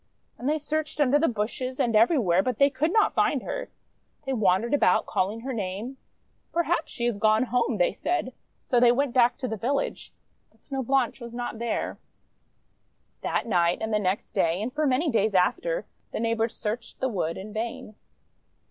And they searched under the bushes and every where, but they could not find her. They wan dered about, calling her name. :t Perhaps she is gone home," they said, so they went back to the village. But Snow Blanche was not there. THE SNOWBALL HARES 301 That night, and the next day, and for many days after, the neighbours searched the wood in vain.